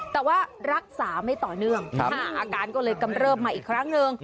แต่ว่ารักษาไม่ต่อเนื่องอาการก็เลยกำเริบมาอีกครั้งหนึ่ง